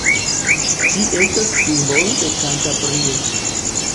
Ĝi estas simbolo de Kantabrio.